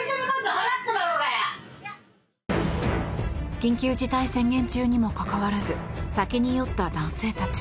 緊急事態宣言中にもかかわらず酒に酔った男性たち。